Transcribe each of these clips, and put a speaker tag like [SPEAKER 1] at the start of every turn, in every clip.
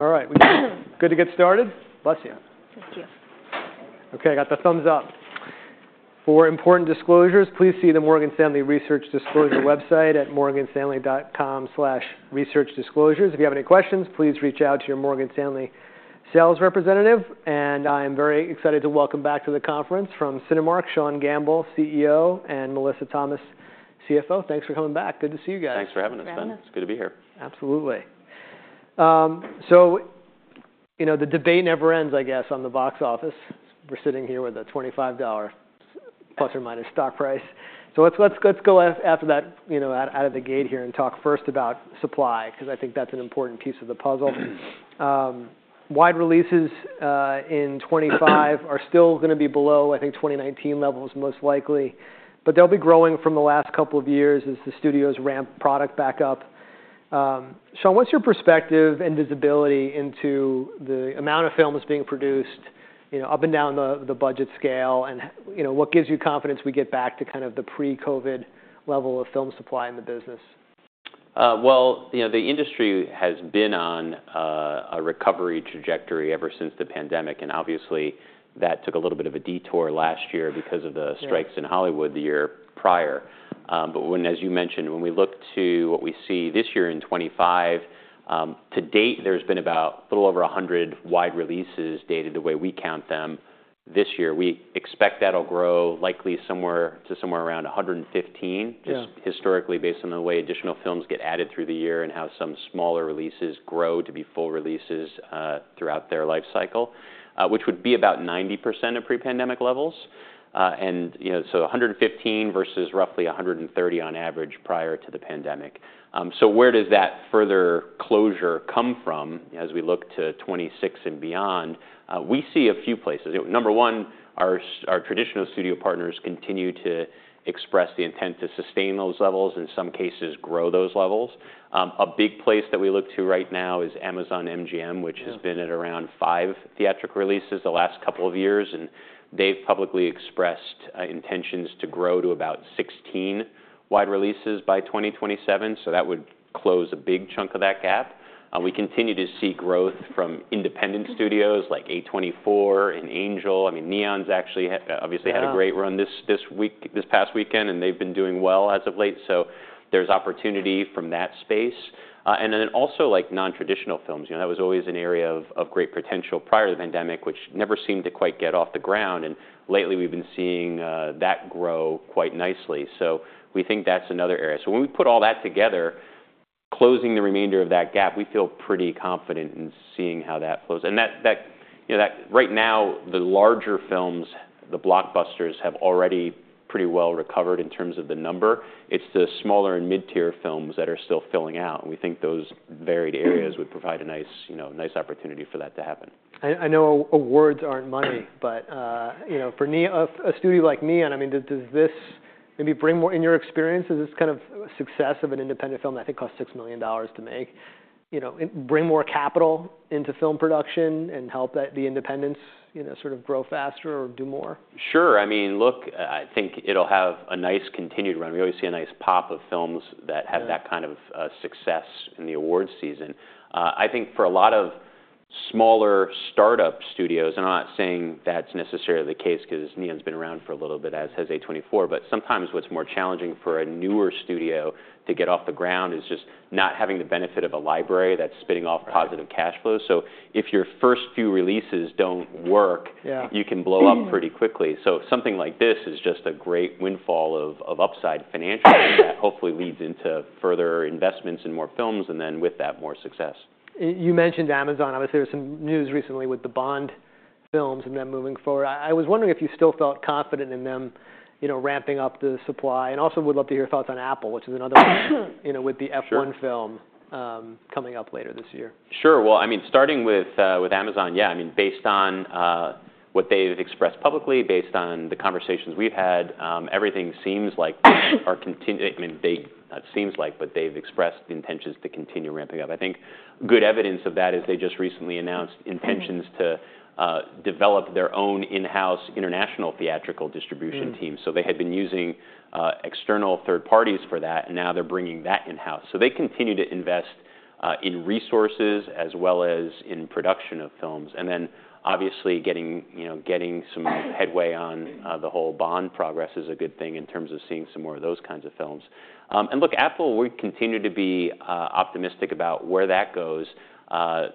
[SPEAKER 1] All right. Good to get started? Bless you.
[SPEAKER 2] Thank you.
[SPEAKER 1] Okay, I got the thumbs up. For important disclosures, please see the Morgan Stanley Research Disclosure website at morganstanley.com/researchdisclosures. If you have any questions, please reach out to your Morgan Stanley sales representative. I am very excited to welcome back to the conference from Cinemark Sean Gamble, CEO, and Melissa Thomas, CFO. Thanks for coming back. Good to see you guys.
[SPEAKER 3] Thanks for having us, man. It's good to be here.
[SPEAKER 1] Absolutely. So the debate never ends, I guess, on the box office. We're sitting here with a $25, plus or minus, stock price. So let's go after that out of the gate here and talk first about supply, because I think that's an important piece of the puzzle. Wide releases in 2025 are still going to be below, I think, 2019 levels most likely. But they'll be growing from the last couple of years as the studios ramp product back up. Sean, what's your perspective and visibility into the amount of films being produced up and down the budget scale? And what gives you confidence we get back to kind of the pre-COVID level of film supply in the business?
[SPEAKER 3] The industry has been on a recovery trajectory ever since the pandemic. Obviously, that took a little bit of a detour last year because of the strikes in Hollywood the year prior. As you mentioned, when we look to what we see this year in 2025, to date, there's been about a little over 100 wide releases dated the way we count them this year. We expect that'll grow likely to somewhere around 115, just historically, based on the way additional films get added through the year and how some smaller releases grow to be full releases throughout their life cycle, which would be about 90% of pre-pandemic levels. 115 versus roughly 130 on average prior to the pandemic. Where does that further closure come from as we look to 2026 and beyond? We see a few places. Number one, our traditional studio partners continue to express the intent to sustain those levels, in some cases grow those levels. A big place that we look to right now is Amazon MGM, which has been at around five theatrical releases the last couple of years. And they've publicly expressed intentions to grow to about 16 wide releases by 2027. So that would close a big chunk of that gap. We continue to see growth from independent studios like A24 and Angel. I mean, Neon's actually obviously had a great run this past weekend. And they've been doing well as of late. So there's opportunity from that space. And then also nontraditional films. That was always an area of great potential prior to the pandemic, which never seemed to quite get off the ground. And lately, we've been seeing that grow quite nicely. So we think that's another area. When we put all that together, closing the remainder of that gap, we feel pretty confident in seeing how that flows. Right now, the larger films, the blockbusters, have already pretty well recovered in terms of the number. It's the smaller and mid-tier films that are still filling out. We think those varied areas would provide a nice opportunity for that to happen.
[SPEAKER 1] I know awards aren't money. But for a studio like Neon, I mean, does this maybe bring more in your experience, is this kind of a success of an independent film that I think costs $6 million to make? bring more capital into film production and help the independents sort of grow faster or do more?
[SPEAKER 3] Sure. I mean, look, I think it'll have a nice continued run. We always see a nice pop of films that have that kind of success in the awards season. I think for a lot of smaller startup studios, and I'm not saying that's necessarily the case, because Neon's been around for a little bit, as has A24. But sometimes what's more challenging for a newer studio to get off the ground is just not having the benefit of a library that's spitting off positive cash flow. So if your first few releases don't work, you can blow up pretty quickly. So something like this is just a great windfall of upside financially that hopefully leads into further investments in more films and then with that, more success.
[SPEAKER 1] You mentioned Amazon. Obviously, there was some news recently with the Bond films and them moving forward. I was wondering if you still felt confident in them ramping up the supply. And also, would love to hear your thoughts on Apple, which is another one with the F1 film coming up later this year.
[SPEAKER 3] Sure. Well, I mean, starting with Amazon, yeah, I mean, based on what they've expressed publicly, based on the conversations we've had, everything seems like they've, but they've expressed intentions to continue ramping up. I think good evidence of that is they just recently announced intentions to develop their own in-house international theatrical distribution team. So they had been using external third parties for that. And now they're bringing that in-house. So they continue to invest in resources as well as in production of films. And then obviously, getting some headway on the whole Bond progress is a good thing in terms of seeing some more of those kinds of films. And look, Apple, we continue to be optimistic about where that goes. I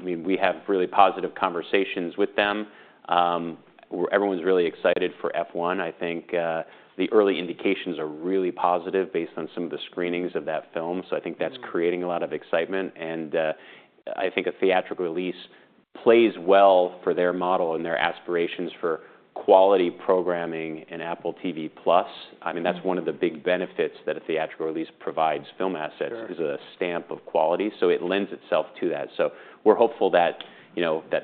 [SPEAKER 3] mean, we have really positive conversations with them. Everyone's really excited for F1. I think the early indications are really positive based on some of the screenings of that film. So I think that's creating a lot of excitement. And I think a theatrical release plays well for their model and their aspirations for quality programming in Apple TV+. I mean, that's one of the big benefits that a theatrical release provides film assets is a stamp of quality. So it lends itself to that. So we're hopeful that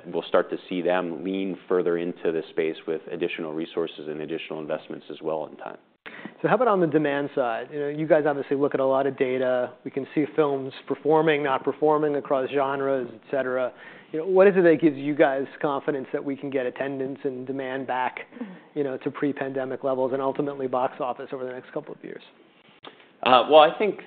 [SPEAKER 3] we'll start to see them lean further into this space with additional resources and additional investments as well in time.
[SPEAKER 1] So how about on the demand side? You guys obviously look at a lot of data. We can see films performing, not performing across genres, et cetera. What is it that gives you guys confidence that we can get attendance and demand back to pre-pandemic levels and ultimately box office over the next couple of years?
[SPEAKER 3] I think,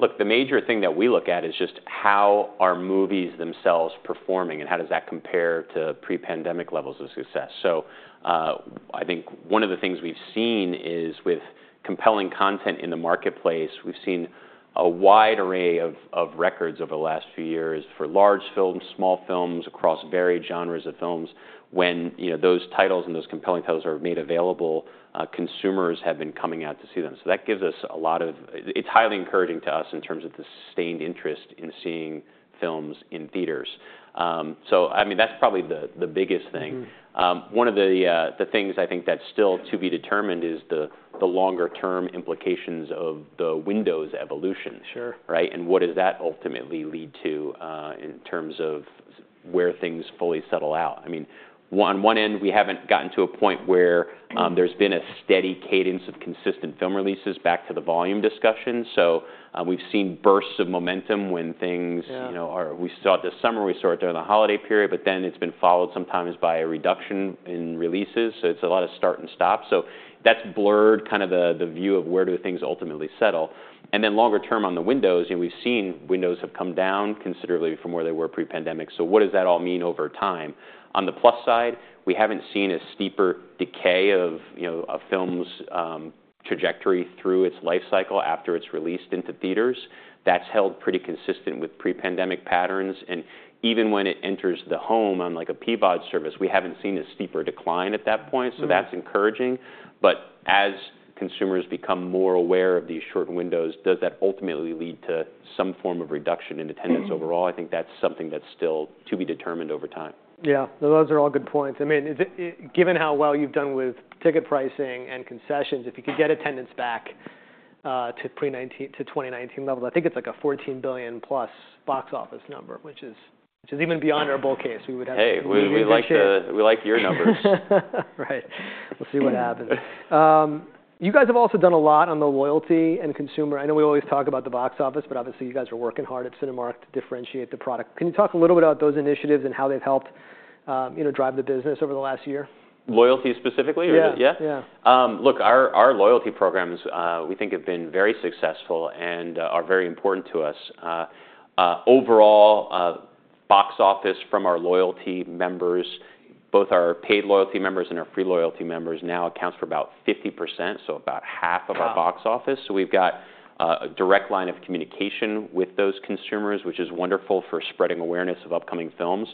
[SPEAKER 3] look, the major thing that we look at is just how are movies themselves performing and how does that compare to pre-pandemic levels of success. I think one of the things we've seen is with compelling content in the marketplace, we've seen a wide array of records over the last few years for large films, small films across varied genres of films. When those titles and those compelling titles are made available, consumers have been coming out to see them. That gives us a lot. It's highly encouraging to us in terms of the sustained interest in seeing films in theaters. I mean, that's probably the biggest thing. One of the things I think that's still to be determined is the longer-term implications of the windows evolution.
[SPEAKER 1] Sure.
[SPEAKER 3] Right? And what does that ultimately lead to in terms of where things fully settle out? I mean, on one end, we haven't gotten to a point where there's been a steady cadence of consistent film releases back to the volume discussion. So we've seen bursts of momentum when things we saw it this summer. We saw it during the holiday period. But then it's been followed sometimes by a reduction in releases. So it's a lot of start and stop. So that's blurred kind of the view of where do things ultimately settle. And then longer term on the windows, we've seen windows have come down considerably from where they were pre-pandemic. So what does that all mean over time? On the plus side, we haven't seen a steeper decay of a film's trajectory through its life cycle after it's released into theaters. That's held pretty consistent with pre-pandemic patterns. And even when it enters the home on like a PVOD service, we haven't seen a steeper decline at that point. So that's encouraging. But as consumers become more aware of these short windows, does that ultimately lead to some form of reduction in attendance overall? I think that's something that's still to be determined over time.
[SPEAKER 1] Yeah. Those are all good points. I mean, given how well you've done with ticket pricing and concessions, if you could get attendance back to 2019 levels, I think it's like a $14 billion plus box office number, which is even beyond our bull case. We would have to appreciate that.
[SPEAKER 3] Hey, we like your numbers.
[SPEAKER 1] Right. We'll see what happens. You guys have also done a lot on the loyalty and consumer. I know we always talk about the box office. But obviously, you guys are working hard at Cinemark to differentiate the product. Can you talk a little bit about those initiatives and how they've helped drive the business over the last year?
[SPEAKER 3] Loyalty specifically?
[SPEAKER 1] Yeah.
[SPEAKER 3] Yeah?
[SPEAKER 1] Yeah.
[SPEAKER 3] Look, our loyalty programs we think have been very successful and are very important to us. Overall, box office from our loyalty members, both our paid loyalty members and our free loyalty members now accounts for about 50%, so about half of our box office. So we've got a direct line of communication with those consumers, which is wonderful for spreading awareness of upcoming films.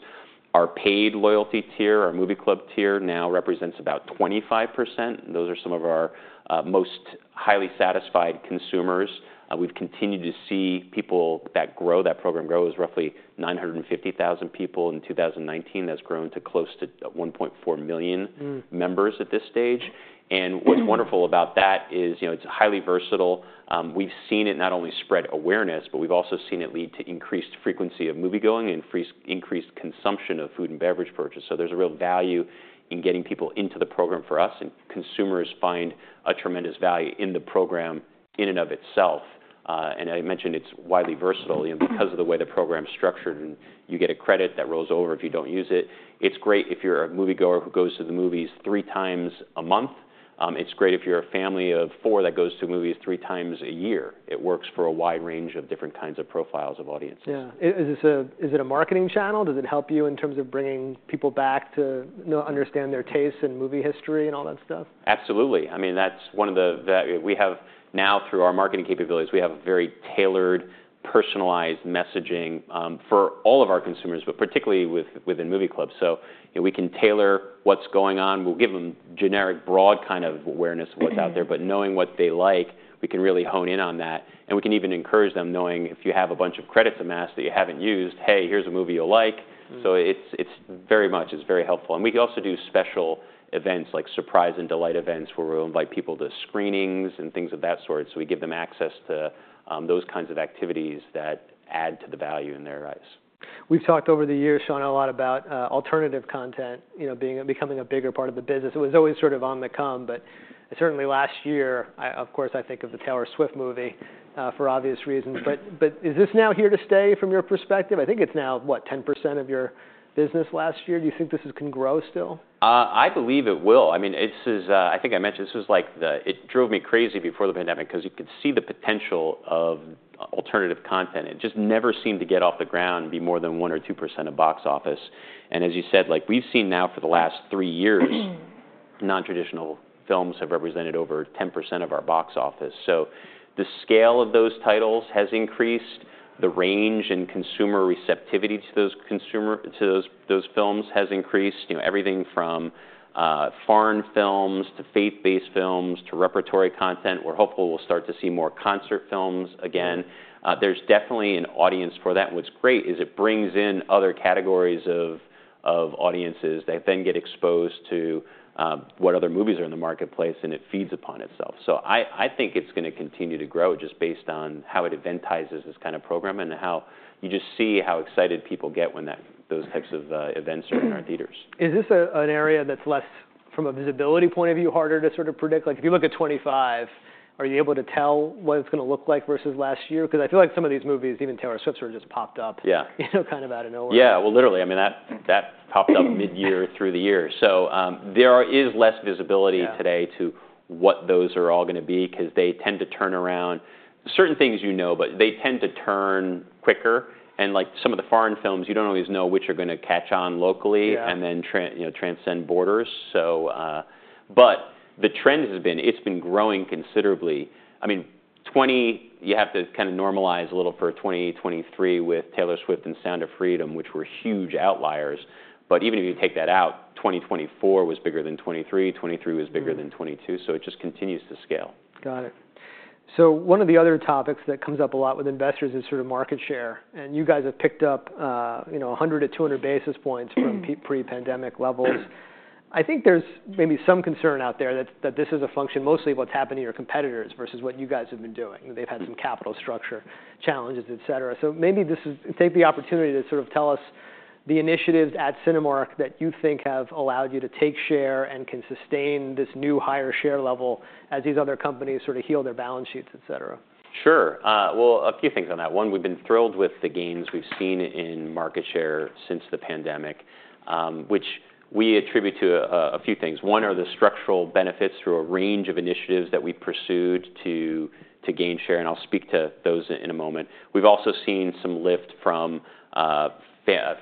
[SPEAKER 3] Our paid loyalty tier, our movie club tier, now represents about 25%. Those are some of our most highly satisfied consumers. We've continued to see that program grow from roughly 950,000 people in 2019. That's grown to close to 1.4 million members at this stage, and what's wonderful about that is it's highly versatile. We've seen it not only spread awareness, but we've also seen it lead to increased frequency of moviegoing and increased consumption of food and beverage purchase. So there's a real value in getting people into the program for us. And consumers find a tremendous value in the program in and of itself. And I mentioned it's widely versatile. Because of the way the program's structured, and you get a credit that rolls over if you don't use it, it's great if you're a moviegoer who goes to the movies three times a month. It's great if you're a family of four that goes to movies three times a year. It works for a wide range of different kinds of profiles of audiences.
[SPEAKER 1] Yeah. Is it a marketing channel? Does it help you in terms of bringing people back to understand their tastes and movie history and all that stuff?
[SPEAKER 3] Absolutely. I mean, that's one of the ways we have now, through our marketing capabilities, we have very tailored, personalized messaging for all of our consumers, but particularly within movie clubs. So we can tailor what's going on. We'll give them generic, broad kind of awareness of what's out there. But knowing what they like, we can really hone in on that. And we can even encourage them, knowing if you have a bunch of credits amassed that you haven't used, hey, here's a movie you'll like. So it's very much very helpful. And we also do special events, like surprise and delight events, where we'll invite people to screenings and things of that sort. So we give them access to those kinds of activities that add to the value in their eyes.
[SPEAKER 1] We've talked over the years, Sean, a lot about alternative content becoming a bigger part of the business. It was always sort of on the come. But certainly last year, of course, I think of the Taylor Swift movie for obvious reasons. But is this now here to stay from your perspective? I think it's now, what, 10% of your business last year. Do you think this can grow still?
[SPEAKER 3] I believe it will. I mean, I think I mentioned this was like it drove me crazy before the pandemic because you could see the potential of alternative content. It just never seemed to get off the ground and be more than 1% or 2% of box office, and as you said, we've seen now for the last three years, nontraditional films have represented over 10% of our box office, so the scale of those titles has increased. The range and consumer receptivity to those films has increased. Everything from foreign films to faith-based films to repertory content. We're hopeful we'll start to see more concert films again. There's definitely an audience for that, and what's great is it brings in other categories of audiences. They then get exposed to what other movies are in the marketplace, and it feeds upon itself. So I think it's going to continue to grow just based on how it eventizes this kind of program and how you just see how excited people get when those types of events are in our theaters.
[SPEAKER 1] Is this an area that's less, from a visibility point of view, harder to sort of predict? Like if you look at 2025, are you able to tell what it's going to look like versus last year? Because I feel like some of these movies, even Taylor Swift's, are just popped up kind of out of nowhere.
[SPEAKER 3] Yeah. Well, literally. I mean, that popped up mid-year through the year. So there is less visibility today to what those are all going to be because they tend to turn around certain things you know. But they tend to turn quicker. And like some of the foreign films, you don't always know which are going to catch on locally and then transcend borders. But the trend has been it's been growing considerably. I mean, 2020, you have to kind of normalize a little for 2020, 2023 with Taylor Swift and Sound of Freedom, which were huge outliers. But even if you take that out, 2024 was bigger than 2023. 2023 was bigger than 2022. So it just continues to scale.
[SPEAKER 1] Got it. So one of the other topics that comes up a lot with investors is sort of market share. And you guys have picked up 100-200 basis points from pre-pandemic levels. I think there's maybe some concern out there that this is a function mostly of what's happened to your competitors versus what you guys have been doing. They've had some capital structure challenges, et cetera. So maybe this is take the opportunity to sort of tell us the initiatives at Cinemark that you think have allowed you to take share and can sustain this new higher share level as these other companies sort of heal their balance sheets, et cetera.
[SPEAKER 3] Sure. A few things on that. One, we've been thrilled with the gains we've seen in market share since the pandemic, which we attribute to a few things. One are the structural benefits through a range of initiatives that we've pursued to gain share. I'll speak to those in a moment. We've also seen some lift from a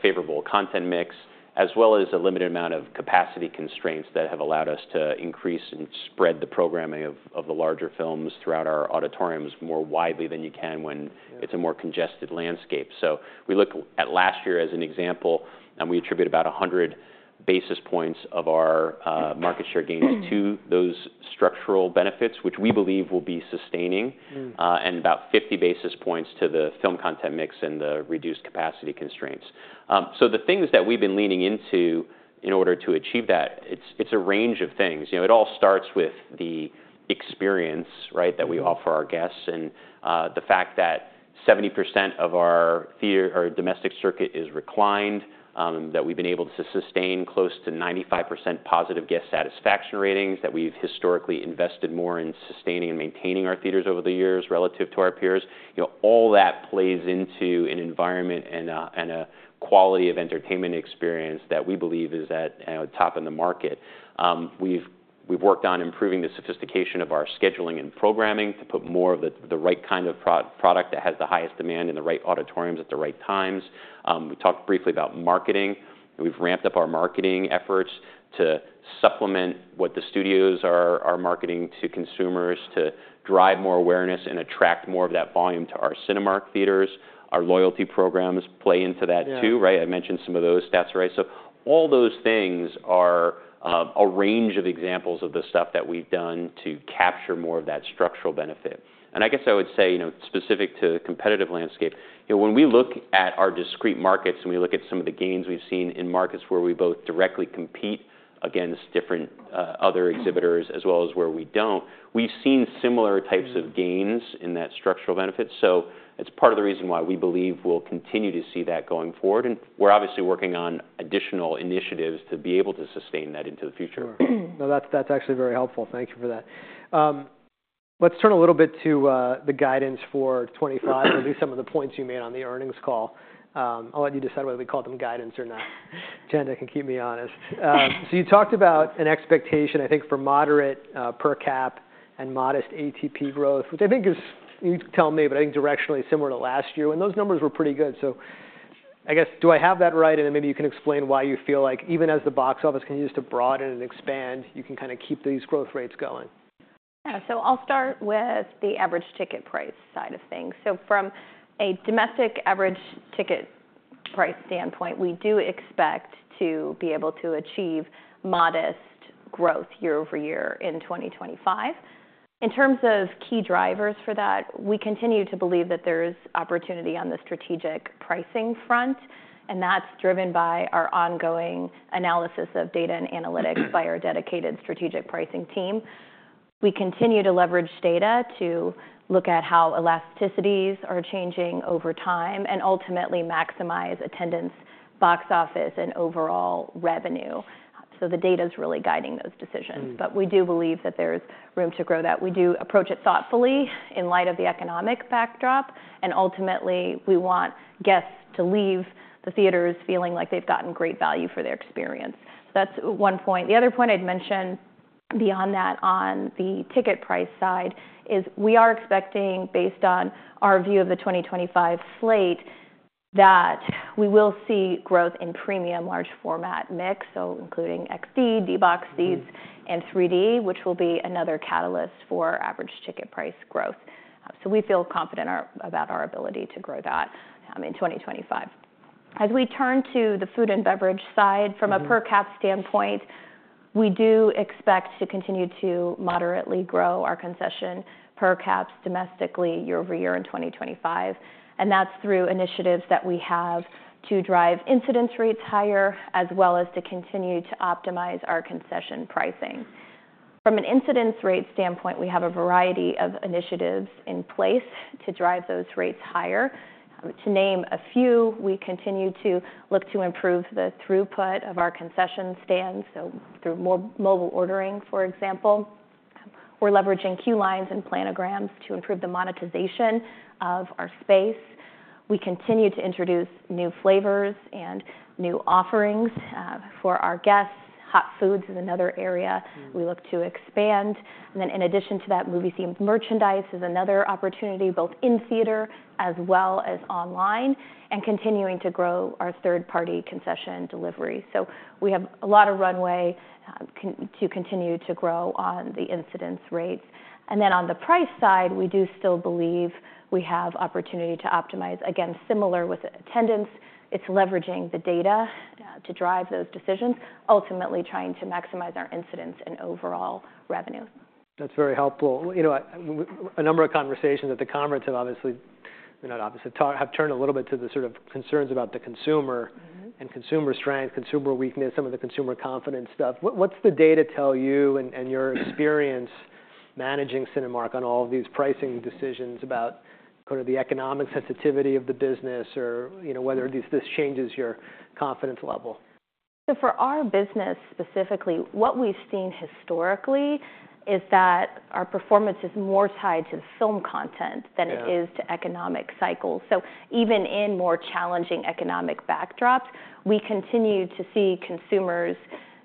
[SPEAKER 3] favorable content mix, as well as a limited amount of capacity constraints that have allowed us to increase and spread the programming of the larger films throughout our auditoriums more widely than you can when it's a more congested landscape. We look at last year as an example. We attribute about 100 basis points of our market share gains to those structural benefits, which we believe we'll be sustaining, and about 50 basis points to the film content mix and the reduced capacity constraints. So the things that we've been leaning into in order to achieve that, it's a range of things. It all starts with the experience that we offer our guests and the fact that 70% of our theater or domestic circuit is reclined, that we've been able to sustain close to 95% positive guest satisfaction ratings, that we've historically invested more in sustaining and maintaining our theaters over the years relative to our peers. All that plays into an environment and a quality of entertainment experience that we believe is at a top in the market. We've worked on improving the sophistication of our scheduling and programming to put more of the right kind of product that has the highest demand in the right auditoriums at the right times. We talked briefly about marketing. We've ramped up our marketing efforts to supplement what the studios are marketing to consumers to drive more awareness and attract more of that volume to our Cinemark theaters. Our loyalty programs play into that too. Right? I mentioned some of those stats already. So all those things are a range of examples of the stuff that we've done to capture more of that structural benefit. And I guess I would say specific to the competitive landscape, when we look at our discrete markets and we look at some of the gains we've seen in markets where we both directly compete against different other exhibitors as well as where we don't, we've seen similar types of gains in that structural benefit. So it's part of the reason why we believe we'll continue to see that going forward. We're obviously working on additional initiatives to be able to sustain that into the future.
[SPEAKER 1] Sure. No, that's actually very helpful. Thank you for that. Let's turn a little bit to the guidance for 2025 and at least some of the points you made on the earnings call. I'll let you decide whether we call them guidance or not. Chanda can keep me honest. So you talked about an expectation, I think, for moderate per cap and modest ATP growth, which I think is you tell me. But I think directionally similar to last year. And those numbers were pretty good. So I guess, do I have that right? And then maybe you can explain why you feel like even as the box office continues to broaden and expand, you can kind of keep these growth rates going.
[SPEAKER 2] Yeah. So I'll start with the average ticket price side of things. So from a domestic average ticket price standpoint, we do expect to be able to achieve modest growth year over year in 2025. In terms of key drivers for that, we continue to believe that there's opportunity on the strategic pricing front. And that's driven by our ongoing analysis of data and analytics by our dedicated strategic pricing team. We continue to leverage data to look at how elasticities are changing over time and ultimately maximize attendance, box office, and overall revenue. So the data is really guiding those decisions. But we do believe that there's room to grow that. We do approach it thoughtfully in light of the economic backdrop. And ultimately, we want guests to leave the theaters feeling like they've gotten great value for their experience. So that's one point. The other point I'd mention beyond that on the ticket price side is we are expecting, based on our view of the 2025 slate, that we will see growth in premium large format mix, so including XD, D-BOX seats, and 3D, which will be another catalyst for average ticket price growth. So we feel confident about our ability to grow that in 2025. As we turn to the food and beverage side, from a per cap standpoint, we do expect to continue to moderately grow our concession per caps domestically year over year in 2025. And that's through initiatives that we have to drive incidence rates higher, as well as to continue to optimize our concession pricing. From an incidence rate standpoint, we have a variety of initiatives in place to drive those rates higher. To name a few, we continue to look to improve the throughput of our concession stands, so through more mobile ordering, for example. We're leveraging queue lines and planograms to improve the monetization of our space. We continue to introduce new flavors and new offerings for our guests. Hot foods is another area we look to expand. And then in addition to that, movie-themed merchandise is another opportunity, both in theater as well as online, and continuing to grow our third-party concession delivery. So we have a lot of runway to continue to grow on the incidence rates. And then on the price side, we do still believe we have opportunity to optimize, again, similar with attendance. It's leveraging the data to drive those decisions, ultimately trying to maximize our incidence and overall revenue.
[SPEAKER 1] That's very helpful. A number of conversations at the conference have obviously turned a little bit to the sort of concerns about the consumer and consumer strength, consumer weakness, some of the consumer confidence stuff. What's the data tell you and your experience managing Cinemark on all of these pricing decisions about kind of the economic sensitivity of the business or whether this changes your confidence level?
[SPEAKER 2] So for our business specifically, what we've seen historically is that our performance is more tied to film content than it is to economic cycles. So even in more challenging economic backdrops, we continue to see consumers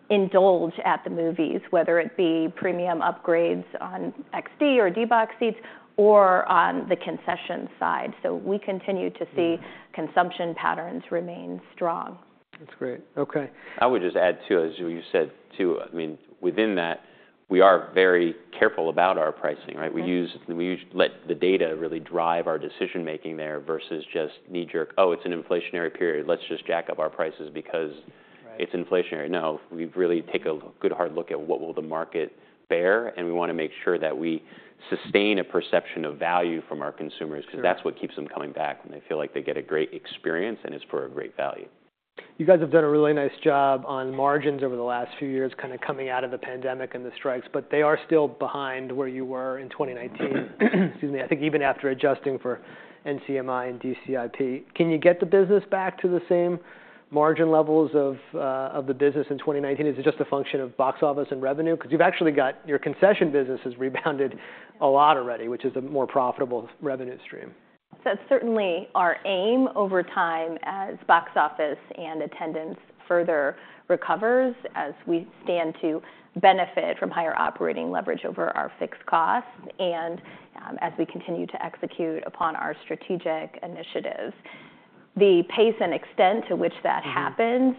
[SPEAKER 2] indulge at the movies, whether it be premium upgrades on XD or D-BOX seats or on the concession side. So we continue to see consumption patterns remain strong.
[SPEAKER 1] That's great. OK.
[SPEAKER 3] I would just add too, as you said, too, I mean, within that, we are very careful about our pricing. Right? We let the data really drive our decision-making there versus just knee-jerk, oh, it's an inflationary period. Let's just jack up our prices because it's inflationary. No. We really take a good hard look at what will the market bear, and we want to make sure that we sustain a perception of value from our consumers because that's what keeps them coming back when they feel like they get a great experience and it's for a great value.
[SPEAKER 1] You guys have done a really nice job on margins over the last few years kind of coming out of the pandemic and the strikes. But they are still behind where you were in 2019. Excuse me. I think even after adjusting for NCMI and DCIP, can you get the business back to the same margin levels of the business in 2019? Is it just a function of box office and revenue? Because you've actually got your concession business has rebounded a lot already, which is a more profitable revenue stream.
[SPEAKER 2] So that's certainly our aim over time as box office and attendance further recovers as we stand to benefit from higher operating leverage over our fixed costs and as we continue to execute upon our strategic initiatives. The pace and extent to which that happens,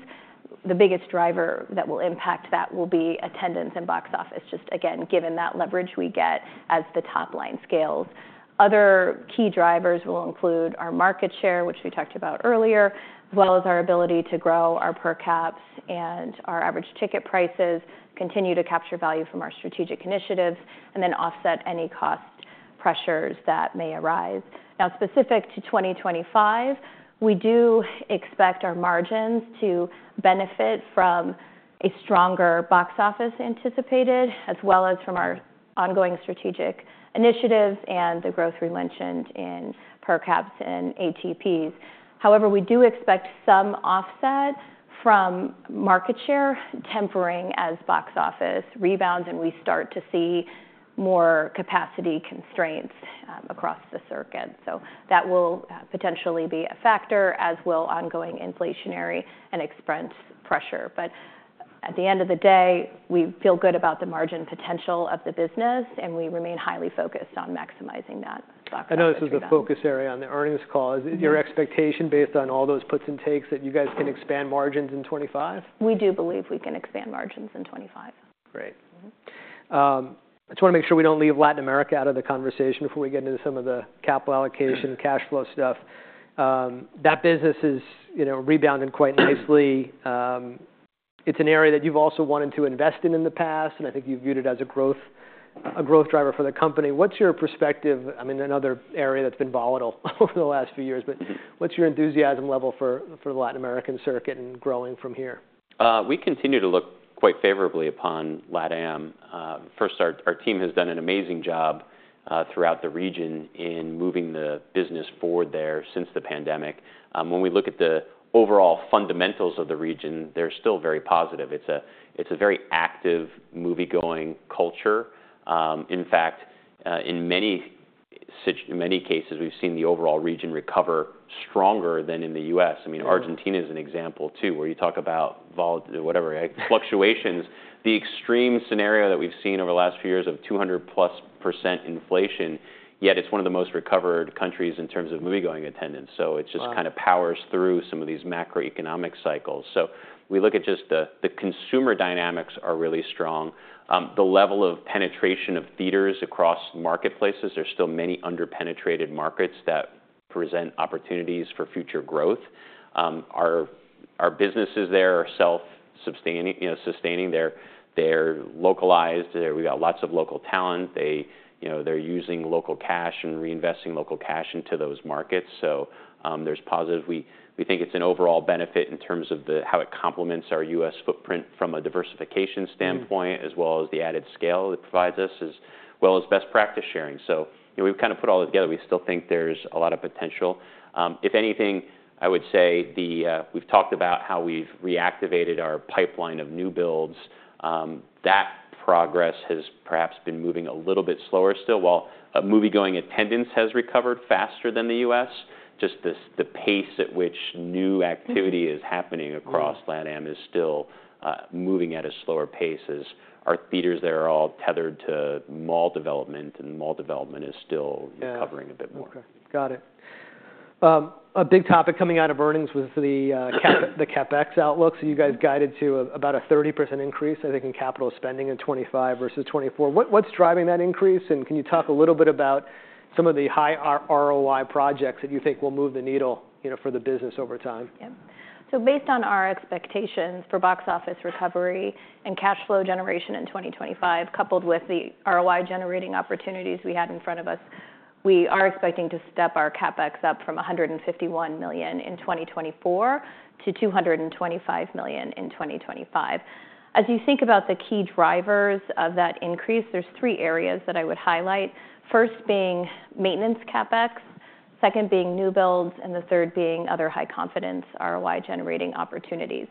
[SPEAKER 2] the biggest driver that will impact that will be attendance and box office just, again, given that leverage we get as the top line scales. Other key drivers will include our market share, which we talked about earlier, as well as our ability to grow our per caps and our average ticket prices, continue to capture value from our strategic initiatives, and then offset any cost pressures that may arise. Now, specific to 2025, we do expect our margins to benefit from a stronger box office anticipated, as well as from our ongoing strategic initiatives and the growth we mentioned in per caps and ATPs. However, we do expect some offset from market share tempering as box office rebounds and we start to see more capacity constraints across the circuit. So that will potentially be a factor, as will ongoing inflationary and expense pressure. But at the end of the day, we feel good about the margin potential of the business. And we remain highly focused on maximizing that box office rebound.
[SPEAKER 1] I know this is a focus area on the earnings call. Is it your expectation based on all those puts and takes that you guys can expand margins in 2025?
[SPEAKER 2] We do believe we can expand margins in 2025.
[SPEAKER 1] Great. I just want to make sure we don't leave Latin America out of the conversation before we get into some of the capital allocation, cash flow stuff. That business has rebounded quite nicely. It's an area that you've also wanted to invest in in the past. And I think you've viewed it as a growth driver for the company. What's your perspective? I mean, another area that's been volatile over the last few years. But what's your enthusiasm level for the Latin American circuit and growing from here?
[SPEAKER 3] We continue to look quite favorably upon LatAm. First, our team has done an amazing job throughout the region in moving the business forward there since the pandemic. When we look at the overall fundamentals of the region, they're still very positive. It's a very active, movie-going culture. In fact, in many cases, we've seen the overall region recover stronger than in the U.S. I mean, Argentina is an example too, where you talk about whatever, fluctuations. The extreme scenario that we've seen over the last few years of 200-plus% inflation, yet it's one of the most recovered countries in terms of movie-going attendance. So it just kind of powers through some of these macroeconomic cycles. So we look at just the consumer dynamics are really strong. The level of penetration of theaters across marketplaces, there's still many under-penetrated markets that present opportunities for future growth. Our businesses there are self-sustaining. They're localized. We've got lots of local talent. They're using local cash and reinvesting local cash into those markets. So there's positives. We think it's an overall benefit in terms of how it complements our U.S. footprint from a diversification standpoint, as well as the added scale it provides us, as well as best practice sharing. So we've kind of put all that together. We still think there's a lot of potential. If anything, I would say we've talked about how we've reactivated our pipeline of new builds. That progress has perhaps been moving a little bit slower still. While movie-going attendance has recovered faster than the U.S., just the pace at which new activity is happening across LatAm is still moving at a slower pace as our theaters there are all tethered to mall development, and mall development is still recovering a bit more.
[SPEAKER 1] OK. Got it. A big topic coming out of earnings was the CapEx outlook. So you guys guided to about a 30% increase, I think, in capital spending in 2025 versus 2024. What's driving that increase? And can you talk a little bit about some of the high ROI projects that you think will move the needle for the business over time?
[SPEAKER 2] Yep. So based on our expectations for box office recovery and cash flow generation in 2025, coupled with the ROI-generating opportunities we had in front of us, we are expecting to step our CapEx up from $151 million in 2024 to $225 million in 2025. As you think about the key drivers of that increase, there's three areas that I would highlight, first being maintenance CapEx, second being new builds, and the third being other high-confidence ROI-generating opportunities.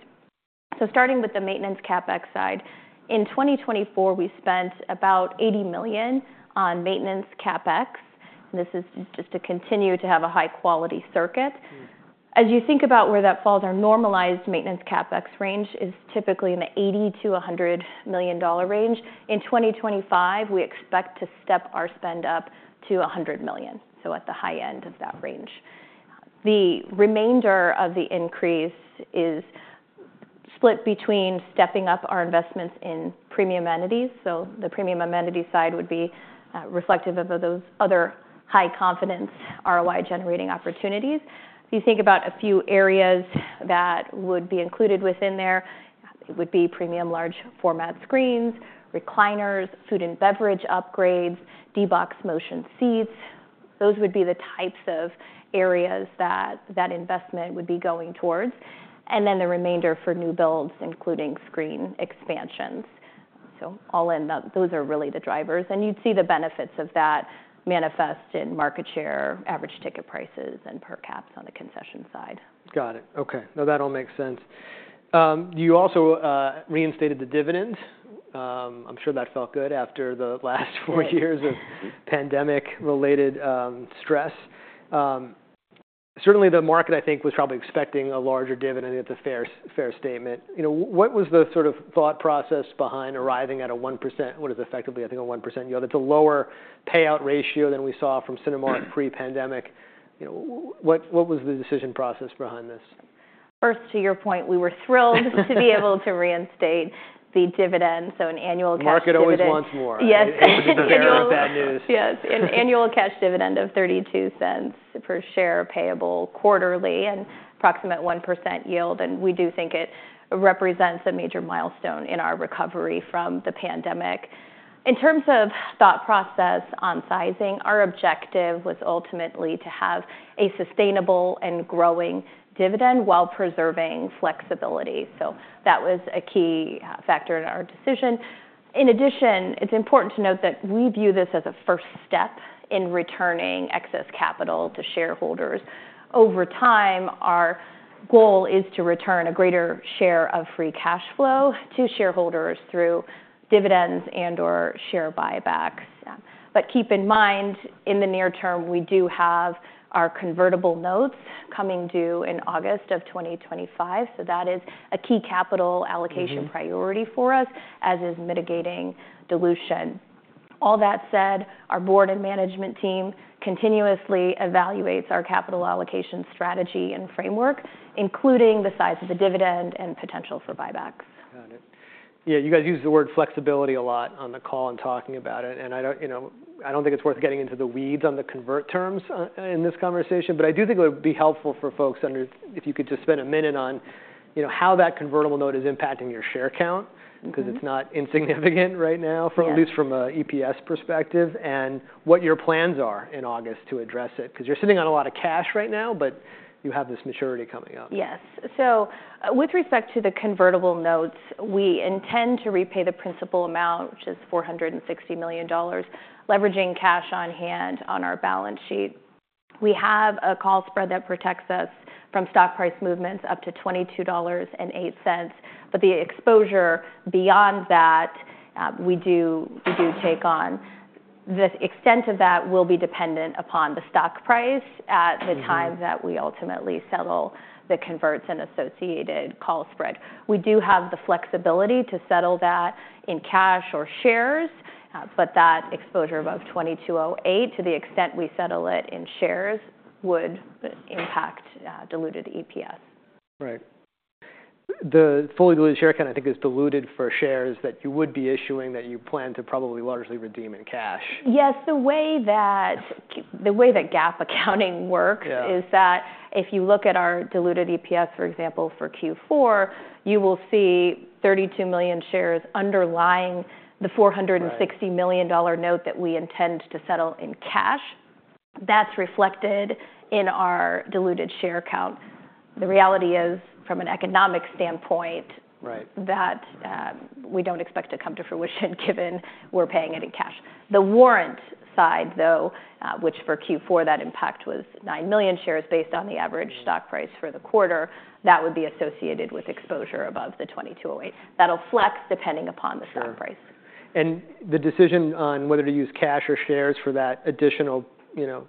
[SPEAKER 2] So starting with the maintenance CapEx side, in 2024, we spent about $80 million on maintenance CapEx. And this is just to continue to have a high-quality circuit. As you think about where that falls, our normalized maintenance CapEx range is typically in the $80-$100 million range. In 2025, we expect to step our spend up to $100 million, so at the high end of that range. The remainder of the increase is split between stepping up our investments in premium amenities, so the premium amenity side would be reflective of those other high-confidence ROI-generating opportunities. If you think about a few areas that would be included within there, it would be premium large format screens, recliners, food and beverage upgrades, D-BOX motion seats. Those would be the types of areas that that investment would be going towards, and then the remainder for new builds, including screen expansions. So all in, those are really the drivers, and you'd see the benefits of that manifest in market share, average ticket prices, and per caps on the concession side.
[SPEAKER 1] Got it. OK. No, that all makes sense. You also reinstated the dividend. I'm sure that felt good after the last four years of pandemic-related stress. Certainly, the market, I think, was probably expecting a larger dividend. I think that's a fair statement. What was the sort of thought process behind arriving at a 1%? What is effectively, I think, a 1% yield? It's a lower payout ratio than we saw from Cinemark pre-pandemic. What was the decision process behind this?
[SPEAKER 2] First, to your point, we were thrilled to be able to reinstate the dividend. So an annual cash dividend.
[SPEAKER 1] The market always wants more.
[SPEAKER 2] Yes.
[SPEAKER 1] Yes.
[SPEAKER 2] Yes. An annual cash dividend of $0.32 per share payable quarterly and an approximate 1% yield. We do think it represents a major milestone in our recovery from the pandemic. In terms of thought process on sizing, our objective was ultimately to have a sustainable and growing dividend while preserving flexibility. That was a key factor in our decision. In addition, it's important to note that we view this as a first step in returning excess capital to shareholders. Over time, our goal is to return a greater share of free cash flow to shareholders through dividends and/or share buybacks. Keep in mind, in the near term, we do have our convertible notes coming due in August of 2025. That is a key capital allocation priority for us, as is mitigating dilution. All that said, our board and management team continuously evaluate our capital allocation strategy and framework, including the size of the dividend and potential for buybacks.
[SPEAKER 1] Got it. Yeah, you guys used the word flexibility a lot on the call and talking about it, and I don't think it's worth getting into the weeds on the convert terms in this conversation, but I do think it would be helpful for folks if you could just spend a minute on how that convertible note is impacting your share count because it's not insignificant right now, at least from an EPS perspective, and what your plans are in August to address it because you're sitting on a lot of cash right now, but you have this maturity coming up.
[SPEAKER 2] Yes. So with respect to the convertible notes, we intend to repay the principal amount, which is $460 million, leveraging cash on hand on our balance sheet. We have a call spread that protects us from stock price movements up to $22.08. But the exposure beyond that, we do take on. The extent of that will be dependent upon the stock price at the time that we ultimately settle the converts and associated call spread. We do have the flexibility to settle that in cash or shares. But that exposure above $22.08, to the extent we settle it in shares, would impact diluted EPS.
[SPEAKER 1] Right. The fully diluted share count, I think, is diluted for shares that you would be issuing that you plan to probably largely redeem in cash.
[SPEAKER 2] Yes. The way that GAAP accounting works is that if you look at our diluted EPS, for example, for Q4, you will see 32 million shares underlying the $460 million note that we intend to settle in cash. That's reflected in our diluted share count. The reality is, from an economic standpoint, that we don't expect to come to fruition given we're paying it in cash. The warrant side, though, which for Q4 that impact was nine million shares based on the average stock price for the quarter, that would be associated with exposure above the $22.08. That'll flex depending upon the stock price.
[SPEAKER 1] Sure, and the decision on whether to use cash or shares for that additional,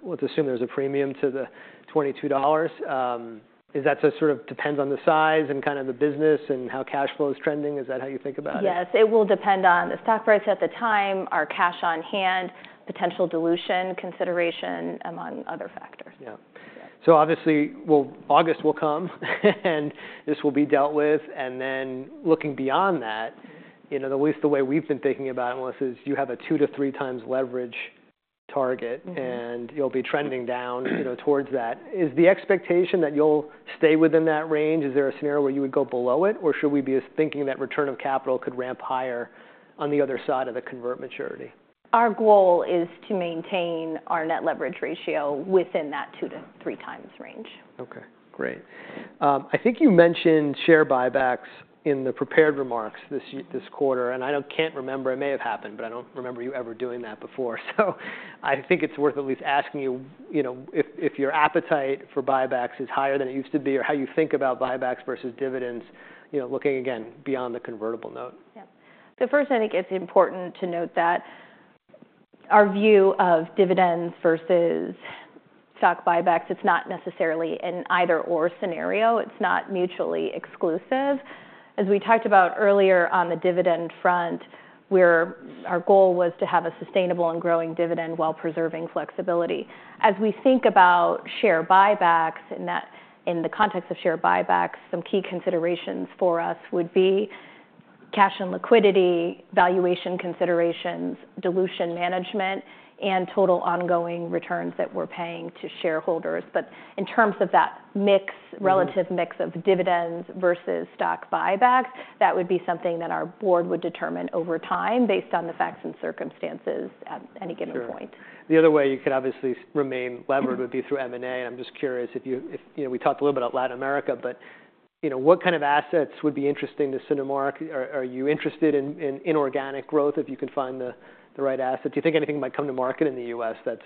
[SPEAKER 1] let's assume there's a premium to the $22, is that sort of depends on the size and kind of the business and how cash flow is trending? Is that how you think about it?
[SPEAKER 2] Yes. It will depend on the stock price at the time, our cash on hand, potential dilution consideration, among other factors.
[SPEAKER 1] Yeah. So obviously, August will come, and this will be dealt with. And then looking beyond that, at least the way we've been thinking about it, Melissa, is you have a two to three times leverage target, and you'll be trending down towards that. Is the expectation that you'll stay within that range? Is there a scenario where you would go below it? Or should we be thinking that return of capital could ramp higher on the other side of the convert maturity?
[SPEAKER 2] Our goal is to maintain our net leverage ratio within that 2-3 times range.
[SPEAKER 1] OK. Great. I think you mentioned share buybacks in the prepared remarks this quarter. And I can't remember. It may have happened, but I don't remember you ever doing that before. So I think it's worth at least asking you if your appetite for buybacks is higher than it used to be or how you think about buybacks versus dividends, looking again beyond the convertible note.
[SPEAKER 2] Yep. So first, I think it's important to note that our view of dividends versus stock buybacks, it's not necessarily an either/or scenario. It's not mutually exclusive. As we talked about earlier on the dividend front, our goal was to have a sustainable and growing dividend while preserving flexibility. As we think about share buybacks in the context of share buybacks, some key considerations for us would be cash and liquidity, valuation considerations, dilution management, and total ongoing returns that we're paying to shareholders. But in terms of that relative mix of dividends versus stock buybacks, that would be something that our board would determine over time based on the facts and circumstances at any given point.
[SPEAKER 1] Sure. The other way you could obviously remain levered would be through M&A. And I'm just curious, we talked a little bit about Latin America. But what kind of assets would be interesting to Cinemark? Are you interested in inorganic growth if you can find the right asset? Do you think anything might come to market in the U.S. that's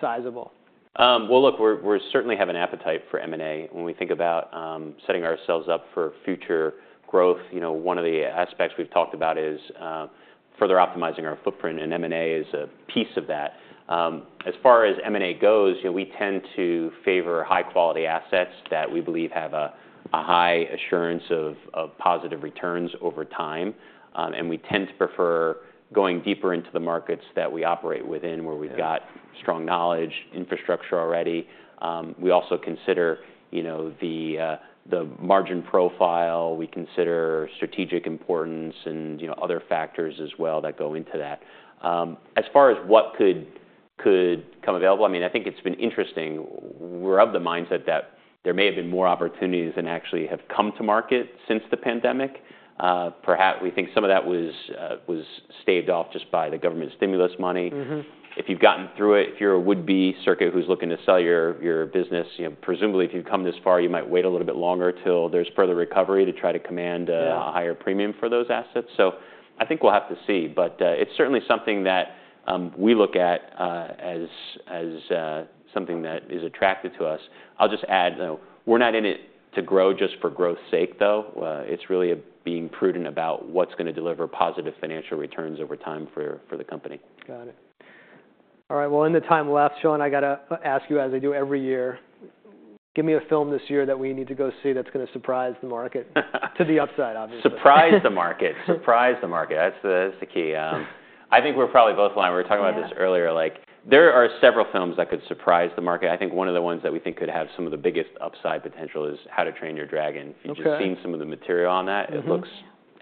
[SPEAKER 1] sizable?
[SPEAKER 3] Look, we certainly have an appetite for M&A. When we think about setting ourselves up for future growth, one of the aspects we've talked about is further optimizing our footprint. M&A is a piece of that. As far as M&A goes, we tend to favor high-quality assets that we believe have a high assurance of positive returns over time. We tend to prefer going deeper into the markets that we operate within, where we've got strong knowledge, infrastructure already. We also consider the margin profile. We consider strategic importance and other factors as well that go into that. As far as what could come available, I mean, I think it's been interesting. We're of the mindset that there may have been more opportunities than actually have come to market since the pandemic. We think some of that was staved off just by the government stimulus money. If you've gotten through it, if you're a would-be circuit who's looking to sell your business, presumably if you've come this far, you might wait a little bit longer until there's further recovery to try to command a higher premium for those assets, so I think we'll have to see, but it's certainly something that we look at as something that is attractive to us. I'll just add, we're not in it to grow just for growth's sake, though. It's really being prudent about what's going to deliver positive financial returns over time for the company.
[SPEAKER 1] Got it. All right. Well, in the time left, Sean, I've got to ask you, as I do every year, give me a film this year that we need to go see that's going to surprise the market to the upside, obviously.
[SPEAKER 3] Surprise the market. Surprise the market. That's the key. I think we're probably both lying. We were talking about this earlier. There are several films that could surprise the market. I think one of the ones that we think could have some of the biggest upside potential is How to Train Your Dragon. If you've just seen some of the material on that, it looks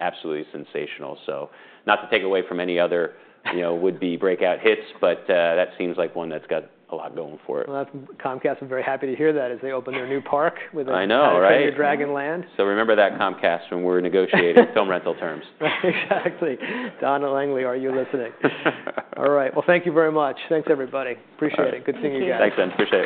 [SPEAKER 3] absolutely sensational. So not to take away from any other would-be breakout hits, but that seems like one that's got a lot going for it.
[SPEAKER 1] I'm Comcast. I'm very happy to hear that as they open their new park within the Dragon Land.
[SPEAKER 3] I know, right? So remember that, Comcast, when we're negotiating film rental terms.
[SPEAKER 1] Exactly. Donna Langley, are you listening? All right. Well, thank you very much. Thanks, everybody. Appreciate it. Good seeing you guys.
[SPEAKER 3] Thanks, Ben. Appreciate it.